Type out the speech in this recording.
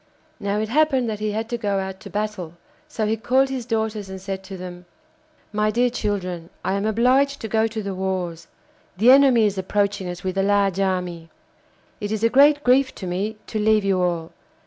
Now it happened that he had to go out to battle, so he called his daughters and said to them: 'My dear children, I am obliged to go to the wars. The enemy is approaching us with a large army. It is a great grief to me to leave you all.